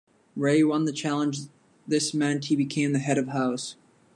Ray won the challenge, this meant he became the "Head of House".